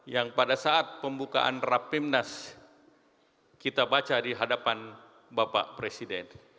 yang pada saat pembukaan rapimnas kita baca di hadapan bapak presiden